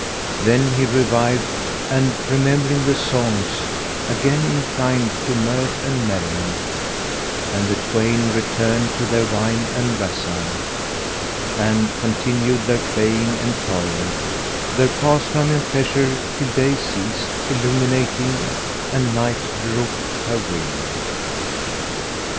[FN#191] Then he revived and, remembering the songs, again inclined to mirth and merriment; and the twain returned to their wine and wassail, and continued their playing and toying, their pastime and pleasure till day ceased illuminating and night drooped her wing.